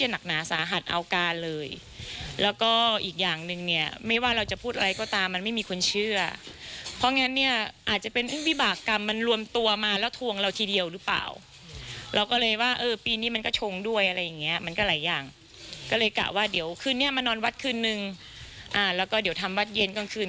มานอนวัดคืนหนึ่งอ่าแล้วก็เดี๋ยวทำวัดเย็นกลางคืน